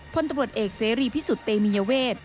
พลตำรวจเอกเสรีพิสุทธิ์เตมียเวท